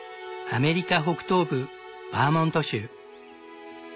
アメリカ北東部バーモント州。